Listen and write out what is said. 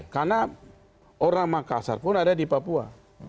karena orang makassar pun ada di papua